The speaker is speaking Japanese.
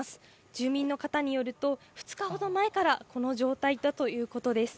住民の方によると２日ほど前からこの状態だということです。